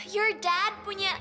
your dad punya